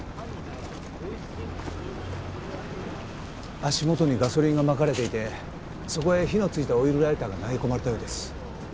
足元にガソリンがまかれていてそこへ火の付いたオイルライターが投げ込まれたようです。